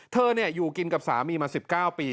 เธอเนี่ยอยู่กินกับสามีมา๑๙ปี